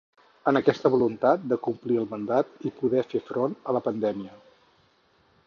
En aquesta voluntat de complir el mandat i poder fer front a la pandèmia.